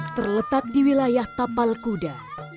terletak di wilayah tapal kuda